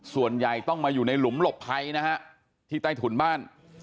ส่วนใหญ่ต้องมาอยู่ในหลุมหลบภัยนะฮะที่ใต้ถุนบ้าน